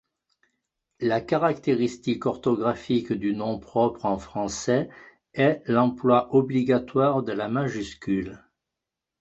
La caractéristique orthographique du nom propre en français est l'emploi obligatoire de la majuscule.